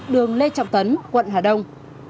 đường lê trọng tấn quận hà đông